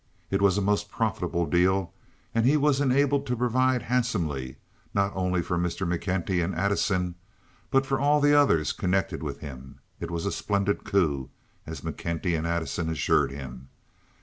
It was a most profitable deal, and he was enabled to provide handsomely not only for Mr. McKenty and Addison, but for all the others connected with him. It was a splendid coup, as McKenty and Addison assured him.